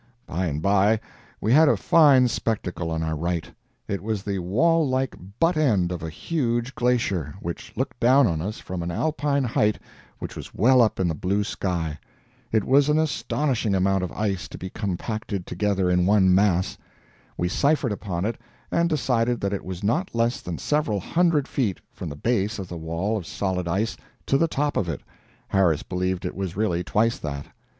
By and by we had a fine spectacle on our right. It was the wall like butt end of a huge glacier, which looked down on us from an Alpine height which was well up in the blue sky. It was an astonishing amount of ice to be compacted together in one mass. We ciphered upon it and decided that it was not less than several hundred feet from the base of the wall of solid ice to the top of it Harris believed it was really twice that.